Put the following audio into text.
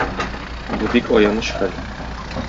Бу - бик аяныч хәл.